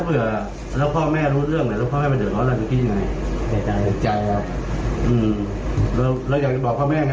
พ่อแม่ขอโทษครับเราจะเลิกมั้ยเนี่ยเลิกครับ